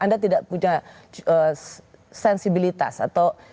anda tidak punya sensibilitas atau